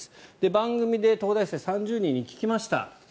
番組で東大生３０人に聞きました。